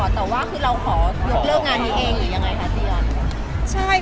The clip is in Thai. แต่ว่าคือเราขอยกเลิกงานนี้เองหรือยังไงคะเตีย